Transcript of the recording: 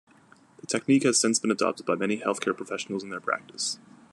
The technique has since been adopteded by many healthcare professionals in their practice.